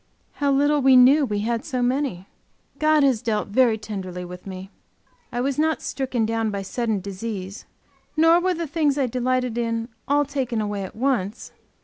How little we knew we had so many! God has dealt very tenderly with me. I was not stricken down by sudden disease, nor were the things I delighted in all taken away at once.